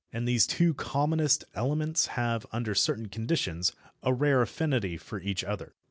And these two commonest elements have, under certain conditions, a rare affinity for each other.